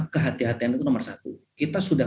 kehati hati itu nomor satu kita sudah